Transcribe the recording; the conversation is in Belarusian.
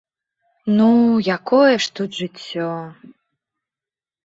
Ну, якое ж тут жыццё!